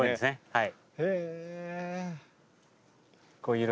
はい。